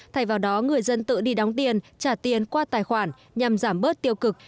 thay vào đó người dân tự đi đóng tiền trả tiền qua tài khoản nhằm giảm bớt tiêu cực